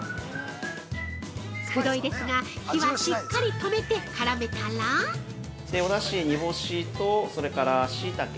◆くどいですが火はしっかり止めて絡めたら◆お出汁、煮干しとそれからシイタケ